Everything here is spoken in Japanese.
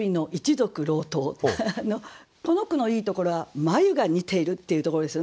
この句のいいところは眉が似ているっていうところですよね。